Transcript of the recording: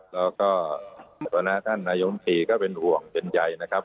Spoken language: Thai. แล้วก็หัวหน้าท่านนายมตรีก็เป็นห่วงเป็นใหญ่นะครับ